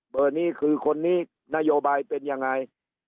นี้คือคนนี้นโยบายเป็นยังไง